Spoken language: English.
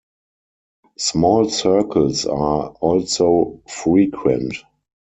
Small circles are also frequent.